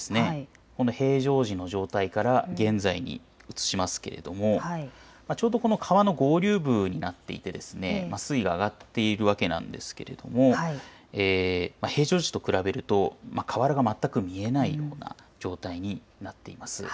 平常時の状態から現在に移しますけれどちょうどこの川の合流部になっていて水位が上がっているわけなんですけれど平常時と比べると河原が全く見えないような状態になっています。